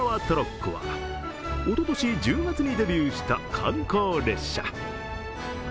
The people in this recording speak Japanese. トロッコはおととし１０月にデビューした観光列車。